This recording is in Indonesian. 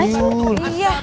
wah apaan sih